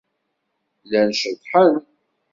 Llan ceḍḍḥen.